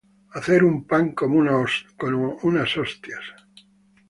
Hacer un pan como unas hostias